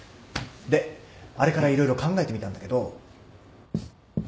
であれから色々考えてみたんだけど